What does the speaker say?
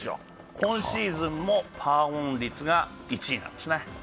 今シーズンもパーオン率が１位なんですね。